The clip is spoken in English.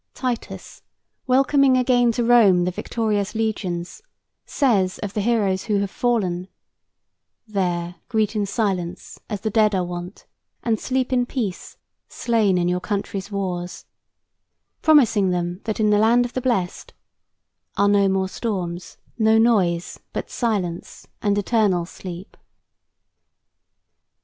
Titus, welcoming again to Rome the victorious legions, says of the heroes who have fallen: "There greet in silence, as the dead are wont, And sleep in peace, slain in your country's wars," promising them that in the land of the blest "are no storms, No noise, but silence and eternal sleep."